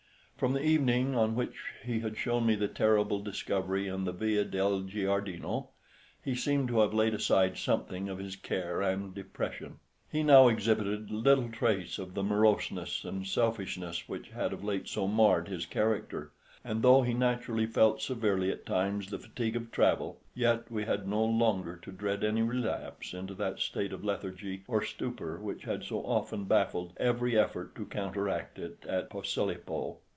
From the evening on which he had shown me the terrible discovery in the Via del Giardino he seemed to have laid aside something of his care and depression. He now exhibited little trace of the moroseness and selfishness which had of late so marred his character; and though he naturally felt severely at times the fatigue of travel, yet we had no longer to dread any relapse into that state of lethargy or stupor which had so often baffled every effort to counteract it at Posilipo.